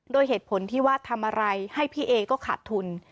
โดยเหตุผลที่ว่าทำอะไรให้พี่เอก็ขาดทุน